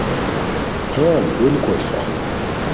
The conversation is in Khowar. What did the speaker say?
ہین بالکل صحیح